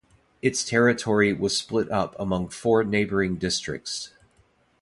Its territory was split up among four neighboring districts.